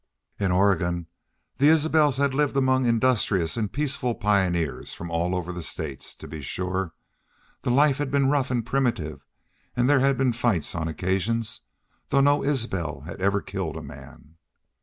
In Oregon the Isbels had lived among industrious and peaceful pioneers from all over the States; to be sure, the life had been rough and primitive, and there had been fights on occasions, though no Isbel had ever killed a man.